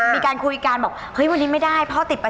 มีการคุยกันบอกเฮ้ยวันนี้ไม่ได้